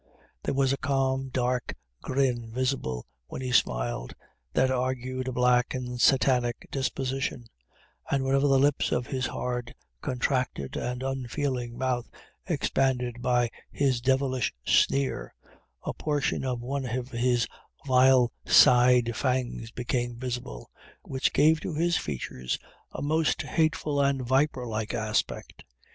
There was a calm, dark grin visible when he smiled, that argued a black and satanic disposition; and whenever the lips of his hard, contracted, and unfeeling mouth expanded by his devilish sneer, a portion of one of his vile side fangs became visible, which gave to his features a most hateful and viper like aspect.